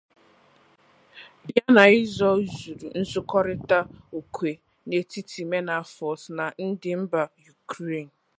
yana izo usoro nzụkọrịta okwe n’etiti Menafort na ndị mba Yukren.